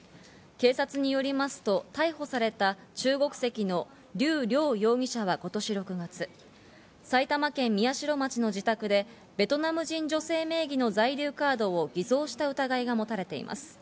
警察によりますと、逮捕された中国籍のリュウ・リョウ容疑者は今年６月、埼玉県宮代町の自宅でベトナム人女性名義の在留カードを偽造した疑いが持たれています。